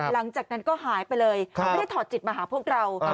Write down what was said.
หลังจากนั้นก็หายไปเลยไม่ได้ถอดจิตมาหาพวกเรา